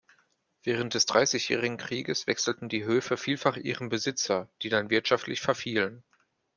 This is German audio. Während des Dreißigjährigen Krieges wechselten die Höfe vielfach ihren Besitzer, die dann wirtschaftlich verfielen.